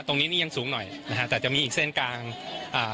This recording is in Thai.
ตรงนี้นี่ยังสูงหน่อยนะฮะแต่จะมีอีกเส้นกลางอ่า